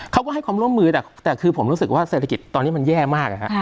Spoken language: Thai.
เขาก็ให้ความร่วมมือแต่คือผมรู้สึกว่าเศรษฐกิจตอนนี้มันแย่มาก